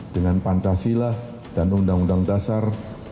dengan pancasila dan undang undang dasar